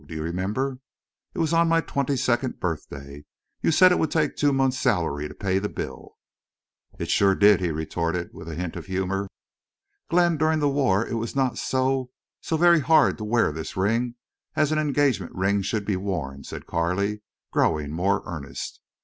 Do you remember? It was on my twenty second birthday. You said it would take two months' salary to pay the bill." "It sure did," he retorted, with a hint of humor. "Glenn, during the war it was not so—so very hard to wear this ring as an engagement ring should be worn," said Carley, growing more earnest.